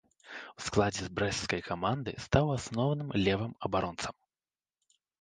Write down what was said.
У складзе брэсцкай каманды стаў асноўным левым абаронцам.